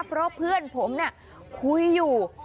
เพราะเพื่อนผมคุยอยู่